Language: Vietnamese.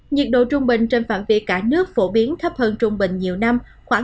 nhiệt độ trung bình trên phản viện cả nước phổ biến thấp hơn trung bình nhiều năm